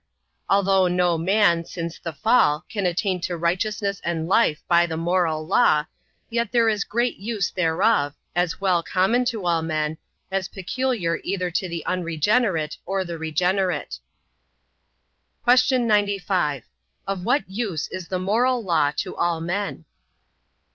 Although no man, since the fall, can attain to righteousness and life by the moral law; yet there is great use thereof, as well common to all men, as peculiar either to the unregenerate, or the regenerate. Q. 95. Of what use is the moral law to all men?